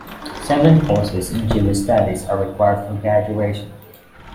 Seven courses in Jewish studies are required for graduation.